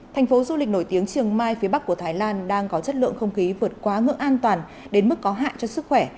thành phố du lịch nổi tiếng chiều mai phía bắc của thái lan đang có chất lượng không khí vượt quá ngưỡng an toàn đến mức có hại cho sức khỏe